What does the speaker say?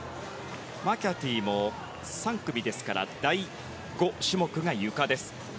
マキャティも３組ですから第５種目がゆかです。